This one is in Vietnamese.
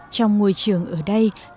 trong ngôi trường ở đây